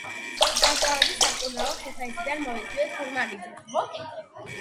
ჭავჭავაძის სამკურნალოდ ქუთაისიდან მოიწვიეს თურმანიძე.